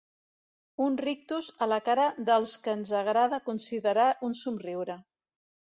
Un rictus a la cara dels que ens agrada considerar un somriure.